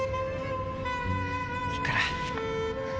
いいから。